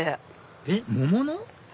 えっ桃の？